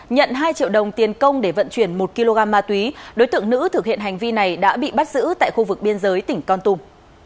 nhận hai triệu đồng tiền công để vận chuyển một kg ma túy đối tượng nữ thực hiện hành vi này đã bị bắt giữ tại khu vực biên giới tỉnh con tum